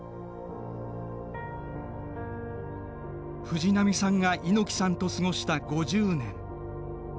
藤波さんが猪木さんと過ごした５０年。